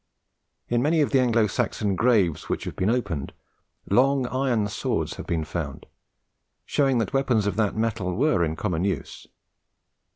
In many of the Anglo Saxon graves which have been opened, long iron swords have been found, showing that weapons of that metal were in common use.